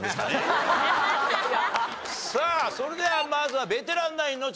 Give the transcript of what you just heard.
さあそれではまずはベテランナインの挑戦です。